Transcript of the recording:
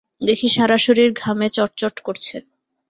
দেখি সারা শরীর ঘামে চটচট করছে।